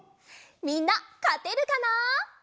みんなかてるかな？